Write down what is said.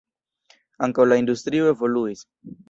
Ankaŭ la industrio evoluis.